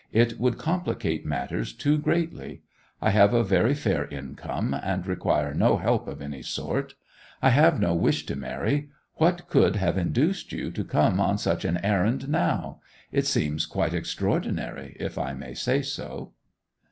'It would complicate matters too greatly. I have a very fair income, and require no help of any sort. I have no wish to marry ... What could have induced you to come on such an errand now? It seems quite extraordinary, if I may say so!